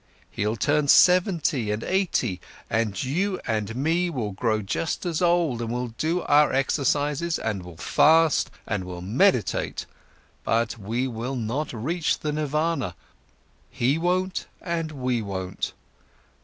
He'll turn seventy and eighty, and you and me, we will grow just as old and will do our exercises, and will fast, and will meditate. But we will not reach the nirvana, he won't and we won't.